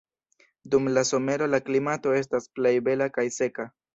Dum la somero la klimato estas plej bela kaj seka.